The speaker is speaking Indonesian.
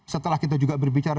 setelah kita juga berbicara